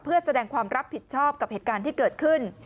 เพื่อแสดงความรับผิดชอบกับเหตุการณ์ที่เกิดขึ้น